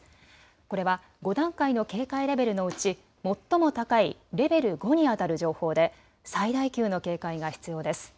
これは５段階の警戒レベルのうち最も高いレベル５にあたる情報で最大級の警戒が必要です。